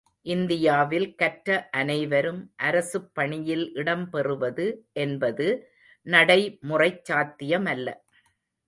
இந்தியாவில் கற்ற அனைவரும் அரசுப் பணியில் இடம் பெறுவது என்பது நடை முறைச் சாத்தியமல்ல.